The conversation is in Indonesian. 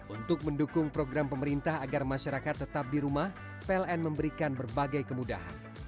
untuk mendukung program pemerintah agar masyarakat tetap di rumah pln memberikan berbagai kemudahan